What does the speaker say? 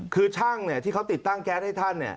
คือช่างที่เขาติดตั้งแก๊สให้ท่าน